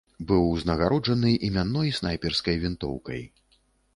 Быў узнагароджаны імянной снайперскай вінтоўкай.